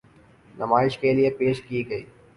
نمائش کے لیے پیش کی گئی۔